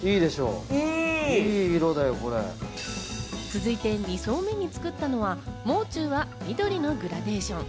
続いて、２層目に作ったのは、もう中は緑のグラデーション。